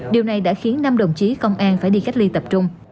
điều này đã khiến năm đồng chí công an phải đi cách ly tập trung